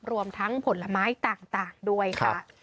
รวมทั้งผลไม้ต่างด้วยค่ะ